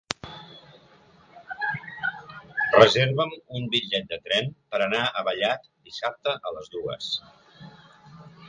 Reserva'm un bitllet de tren per anar a Vallat dissabte a les dues.